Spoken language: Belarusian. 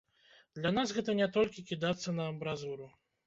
Для нас гэта не толькі кідацца на амбразуру.